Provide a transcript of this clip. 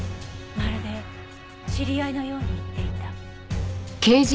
まるで知り合いのように言っていた。